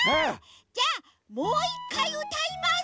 じゃあもう１かいうたいます。